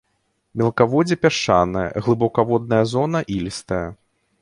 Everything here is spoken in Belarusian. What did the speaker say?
Мелкаводдзе пясчанае, глыбакаводная зона ілістая.